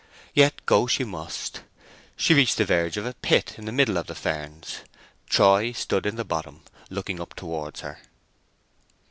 Yet go she must. She reached the verge of a pit in the middle of the ferns. Troy stood in the bottom, looking up towards her.